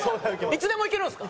いつでもいけるんですか？